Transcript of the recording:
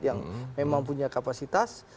yang memang punya kapasitas